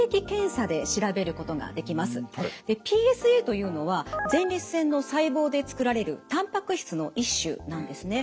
ＰＳＡというのは前立腺の細胞で作られるたんぱく質の一種なんですね。